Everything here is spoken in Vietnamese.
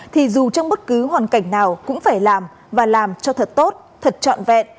thì dù trong bất cứ hoàn cảnh nào cũng phải làm và làm cho thật tốt thật trọn vẹn